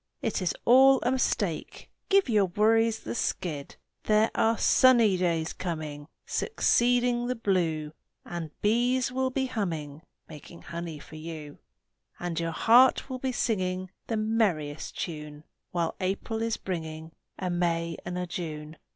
It is all a mistake! Give your worries the skid! There are sunny days coming Succeeding the blue And bees will be humming Making honey for you, And your heart will be singing The merriest tune While April is bringing A May and a June!